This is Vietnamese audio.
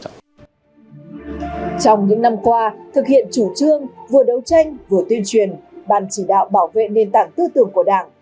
trong những năm qua thực hiện chủ trương vừa đấu tranh vừa tuyên truyền bàn chỉ đạo bảo vệ nền tảng tư tưởng của đảng